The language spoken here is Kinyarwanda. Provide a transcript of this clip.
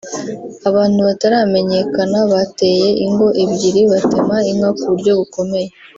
Abantu bataramenyekana bateye ingo ebyiri batema inka ku buryo bukomeye